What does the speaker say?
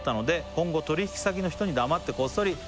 「今後取引先の人に黙ってこっそり通って」